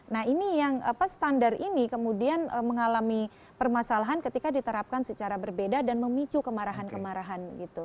nah ini yang standar ini kemudian mengalami permasalahan ketika diterapkan secara berbeda dan memicu kemarahan kemarahan gitu